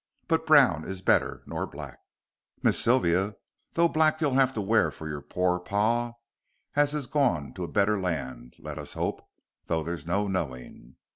"But brown is better nor black, Miss Sylvia, though black you'll have to wear for your poor par, as is gone to a better land, let us hope, though there's no knowing."